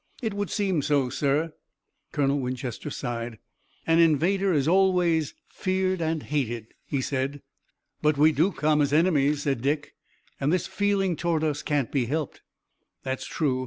"It would seem so, sir." Colonel Winchester sighed. "An invader is always feared and hated," he said. "But we do come as enemies," said Dick, "and this feeling toward us can't be helped." "That's true.